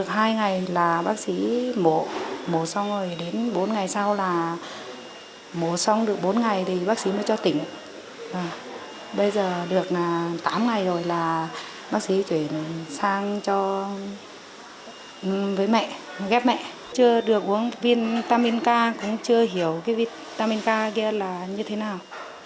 hàng cho với mẹ ghép mẹ chưa được uống vitamin k cũng chưa hiểu cái vitamin k kia là như thế nào